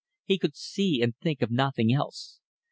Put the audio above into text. He could see and think of nothing else.